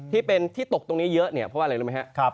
ที่ตกตรงนี้เยอะเพราะว่าอะไรรู้ไหมครับ